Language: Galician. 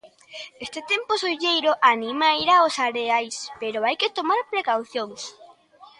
Este tempo solleiro anima a ir aos areais, pero hai que tomar precaucións.